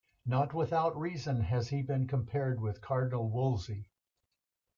Not without reason has he been compared with Cardinal Wolsey.